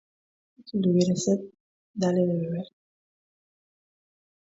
si tuviere sed, dale de beber: